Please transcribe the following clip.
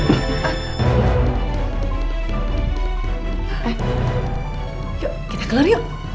eh yuk kita kelar yuk